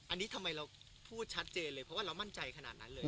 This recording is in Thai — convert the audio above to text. อันนี้ทำไมเราพูดชัดเจนเลยเพราะว่าเรามั่นใจขนาดนั้นเลย